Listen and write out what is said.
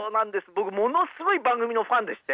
僕ものすごい番組のファンでして。